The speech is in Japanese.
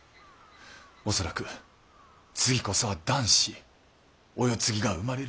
恐らく次こそは男子お世継ぎが生まれるよう。